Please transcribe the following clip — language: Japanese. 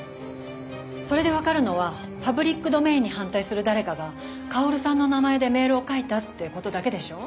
それでわかるのはパブリックドメインに反対する誰かが薫さんの名前でメールを書いたって事だけでしょ。